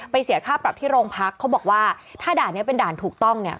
เสียค่าปรับที่โรงพักเขาบอกว่าถ้าด่านนี้เป็นด่านถูกต้องเนี่ย